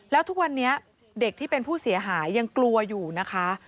แล้วทุกวันนี้เด็กที่เป็นผู้เสียหายยังกลัวอยู่นะคะ